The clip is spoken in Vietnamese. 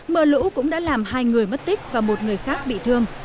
mưa lũ cũng đã làm hai người mất tích và một người khác bị thương